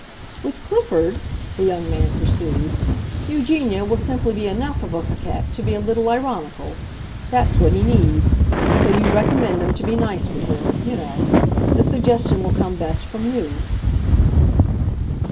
"With Clifford," the young man pursued, "Eugenia will simply be enough of a coquette to be a little ironical. That's what he needs. So you recommend him to be nice with her, you know. The suggestion will come best from you."